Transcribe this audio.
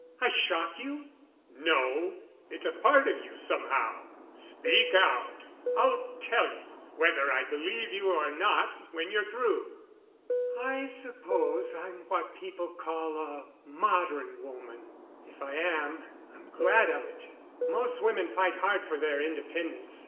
I shock you?" "No—it's part of you somehow. Speak out. I'll tell you whether I believe you or not when you're through." "I suppose I'm what people call a modern woman. If I am, I'm glad of it. Most women fight hard for their independence.